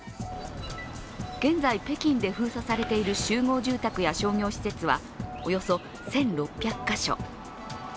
現在、北京で封鎖されている集合住宅や商業施設はおよそ１６００か所。